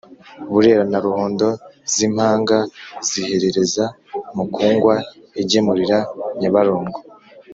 burera na ruhondo z’impanga zihereza mukungwa igemurira nyabarongo.